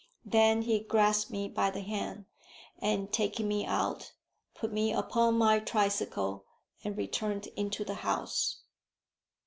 Then he grasped me by the hand, and taking me out, put me upon my tricycle, and returned into the house.